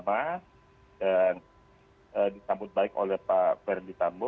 dan ditambut baik oleh pak ferdisambo